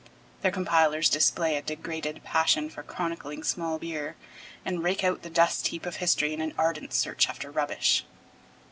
Their compilers display a degraded passion for chronicling small beer, and rake out the dust heap of history in an ardent search after rubbish.